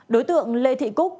đối tượng lê thị cúc